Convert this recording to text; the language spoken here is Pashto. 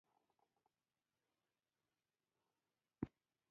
هر وخت زما په غېږ کښې ژاړي.